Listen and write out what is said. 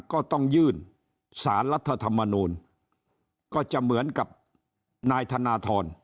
ก็ต้องยื่นสารรัฐธรรมนูลก็จะเหมือนกับนายธนทร